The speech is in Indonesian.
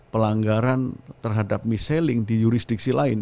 pelanggaran terhadap mis selling di jurisdiksi lain